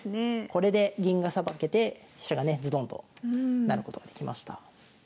これで銀がさばけて飛車がねズドンと成ることができました。